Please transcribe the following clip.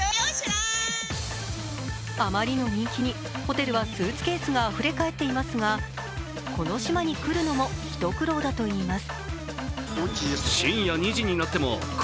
あまりの人気にホテルはスーツケースがあふれかえっていますがこの島に来るのも一苦労だといいます。